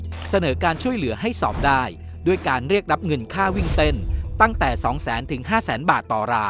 เสนอการช่วยเหลือให้สอบได้ด้วยการเรียกรับเงินค่าวิ่งเต้นตั้งแต่๒แสนถึงห้าแสนบาทต่อรา